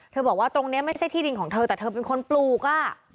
บอกว่าตรงนี้ไม่ใช่ที่ดินของเธอแต่เธอเป็นคนปลูกอ่ะ